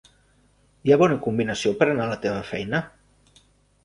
Hi ha bona combinació per anar a la teva feina?